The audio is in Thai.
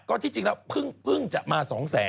ก็ที่จริงนะเพิ่งจะมา๒๐๐๐๐๐